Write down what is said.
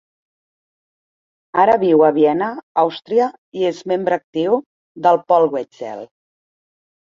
Ara viu a Viena, Àustria, i és membre actiu de Polwechsel.